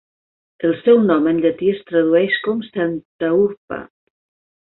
El seu nom en llatí es tradueix com "santa urpa".